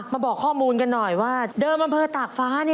บอกข้อมูลกันหน่อยว่าเดิมอำเภอตากฟ้า